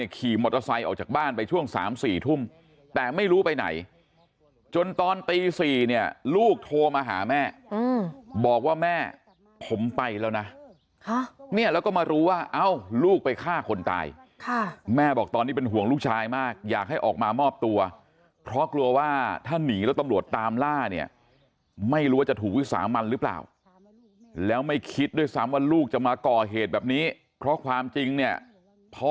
ขี่มอเตอร์ไซค์ออกจากบ้านไปช่วง๓๔ทุ่มแต่ไม่รู้ไปไหนจนตอนตี๔เนี่ยลูกโทรมาหาแม่บอกว่าแม่ผมไปแล้วนะเนี่ยแล้วก็มารู้ว่าเอ้าลูกไปฆ่าคนตายแม่บอกตอนนี้เป็นห่วงลูกชายมากอยากให้ออกมามอบตัวเพราะกลัวว่าถ้าหนีแล้วตำรวจตามล่าเนี่ยไม่รู้ว่าจะถูกวิสามันหรือเปล่าแล้วไม่คิดด้วยซ้ำว่าลูกจะมาก่อเหตุแบบนี้เพราะความจริงเนี่ยพอ